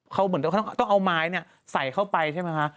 เขาก็ต้องเอาไม้ใส่เข้าไปใช่ไหมครับ